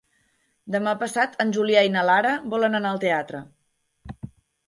Demà passat en Julià i na Lara volen anar al teatre.